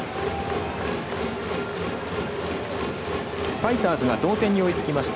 ファイターズが同点に追いつきました。